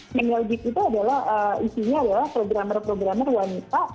female geek itu adalah isinya adalah programmer programmer wanita